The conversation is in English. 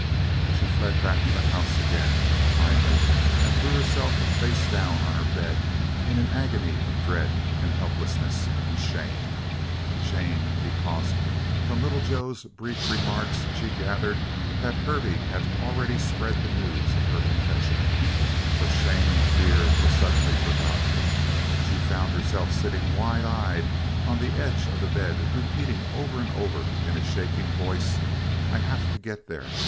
She fled back to the house again, finally, and threw herself face down on her bed in an agony of dread, and helplessness, and shame. Shame because from Little Joe's brief remarks, she gathered that Hervey had already spread the news of her confession. But shame and fear were suddenly forgotten. She found herself sitting wide eyed on the edge of the bed repeating over and over in a shaking voice "I have to get there!